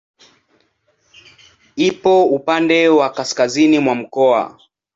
Ipo upande wa kaskazini mwa mkoa.